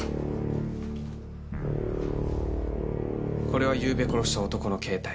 これはゆうべ殺した男の携帯。